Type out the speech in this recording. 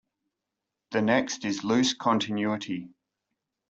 The next is loose continuity.